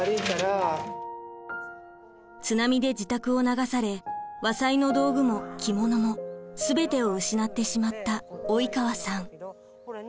津波で自宅を流され和裁の道具も着物もすべてを失ってしまった及川さん。